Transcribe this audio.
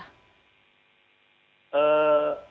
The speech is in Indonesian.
udah apa ekonomi